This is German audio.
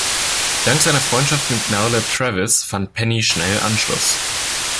Dank seiner Freundschaft mit Merle Travis fand Penny schnell Anschluss.